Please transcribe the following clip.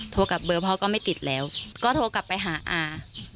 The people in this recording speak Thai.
โทรกลับเบอร์พ่อก็ไม่ติดแล้วก็โทรกลับไปหาอา